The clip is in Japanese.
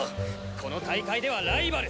この大会ではライバル。